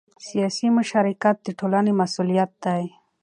سیاسي مشارکت د ټولنې مسؤلیت دی